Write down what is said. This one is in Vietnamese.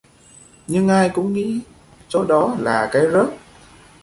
Nhưng ai cũng nghĩ chỗ đó là cái rớp